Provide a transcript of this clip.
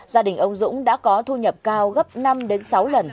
gia đình ông dũng đã có thu nhập cao gấp năm sáu lần